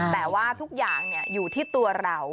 แต่ว่าทุกอย่างอยู่ที่ตัวเรา